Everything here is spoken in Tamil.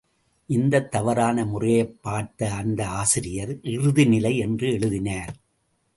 இந்தத் தவறான முறையைப் பார்த்த அந்த ஆசிரியர் இறுதினிலை என்று எழுதினார்.